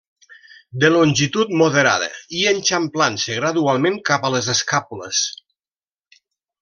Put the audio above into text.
De longitud moderada i eixamplant-se gradualment cap a les escàpules.